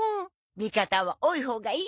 味方は多いほうがいいわ。